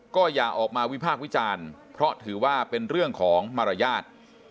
ก็อย่าออกมาวิพากษ์วิจารณ์เพราะถือว่าเป็นเรื่องของมารยาท